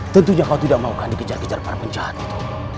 tentunya kau tidak mau kan dikejar kejar para penjahat itu